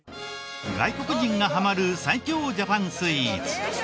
外国人がハマる最強ジャパンスイーツ。